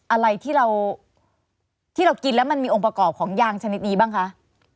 อะไรที่เรากินแล้วมันมีองค์ประกอบของยางชนิดนี้บ้างคะ